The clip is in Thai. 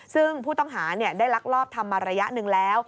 ซึ่งผู้ต้องหาได้ลักลอบทำมาระยะหนึ่งแล้ว